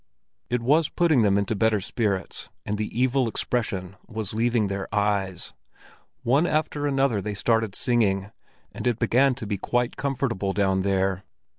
It was putting them into better spirits, and the evil expression was leaving their eyes; one after another they started singing, and it began to be quite comfortable down there.